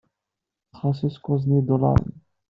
Txelleṣ-it kuẓ n yidulaṛen.